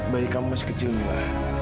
bayi kamu masih kecil juga